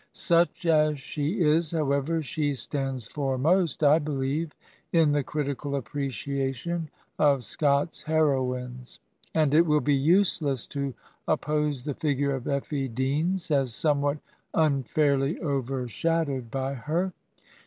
Such as she is, however, she stands foremost, I be lieve, in the critical appreciation of Scott's heroines, and it will be useless to oppose the figure of Effie Deans as somewhat imfsdrly overshadowed by her.